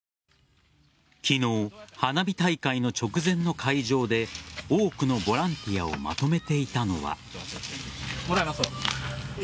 昨日、花火大会の直前の会場で多くのボランティアをまとめていたのは。